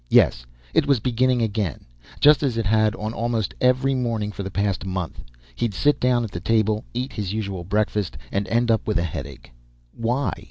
Yes, it was beginning again, just as it had on almost every morning for the past month. He'd sit down at the table, eat his usual breakfast, and end up with a headache. Why?